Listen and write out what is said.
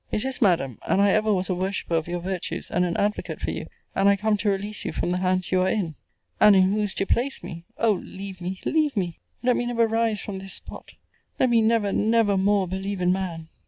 It is, Madam, and I ever was a worshipper of your virtues, and an advocate for you; and I come to release you from the hands you are in. And in whose to place me? O leave me, leave me! let me never rise from this spot! let me never, never more believe in man!